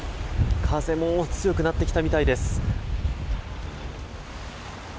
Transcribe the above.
風も強くなってきたみたいです。